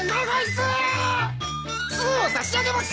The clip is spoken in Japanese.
スーを差し上げます！